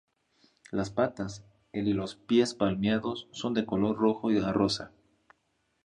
Las patas, el y los pies palmeados son de color rojo a rosa.